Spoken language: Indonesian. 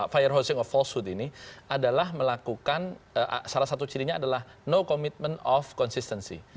firehosing of falsehood ini adalah melakukan salah satu cirinya adalah no commitment of consistancy